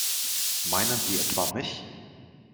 Meinen Sie etwa mich?